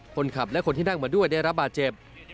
คนขับและคนที่นั่งมาด้วยได้รับบาดเจ็บ